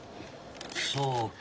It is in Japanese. そうか。